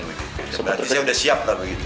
berarti saya sudah siap